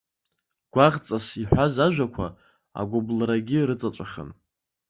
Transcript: Гәаӷҵас иҳәаз ажәақәа, агәыблрагьы рыҵаҵәахын.